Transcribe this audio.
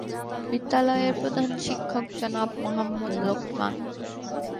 বিদ্যালয়ের প্রধান শিক্ষক জনাব মোহাম্মদ লোকমান।